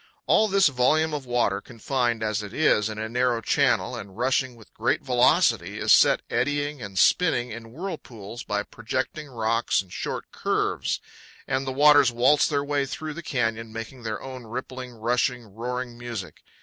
All this volume of water, confined, as it is, in a narrow channel and rushing with great velocity, is set eddying and spinning in whirlpools by projecting rocks and short curves, and the waters waltz their way through the canyon, making their own rippling, rushing, roaring music.